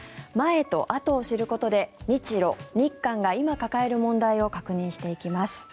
前とあとを知ることで日ロ、日韓が今、抱える問題を確認していきます。